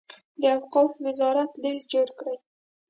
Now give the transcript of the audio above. د اوقافو وزارت لست جوړ کړي.